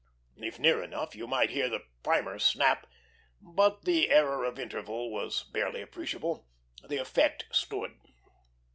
If near enough, you might hear the primer snap, but the error of interval was barely appreciable the effect stood.